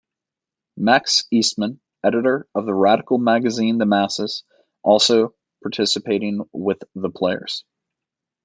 Max Eastman, editor of the radical magazine The Masses, also participating with the Players.